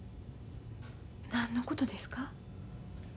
何のことですか？